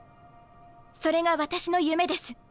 それが私の夢です。